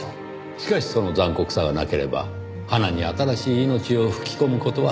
しかしその残酷さがなければ花に新しい命を吹き込む事はできない。